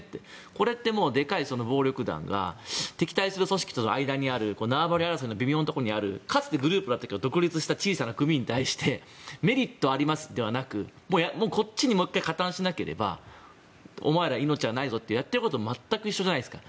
これって、でかい暴力団が敵対する組織との間にある縄張り争いの微妙なところにあるかつてグループだったけど独立した小さな組に対してメリットありますではなくこっちにもう１回加担しなければお前ら命はないぞってやっていることは全く一緒じゃないですか。